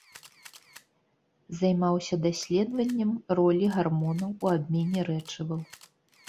Займаўся даследаваннем ролі гармонаў у абмене рэчываў.